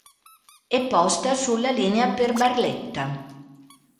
E posta sulla linea per Barletta.